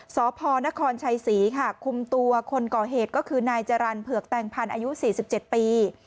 สพนครชัยศรีค่ะคุมตัวคนก่อเหตุก็คือนายจรรย์เผือกแตงพันธ์อายุ๔๗ปี